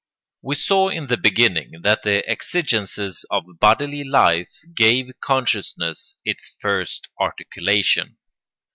] We saw in the beginning that the exigences of bodily life gave consciousness its first articulation.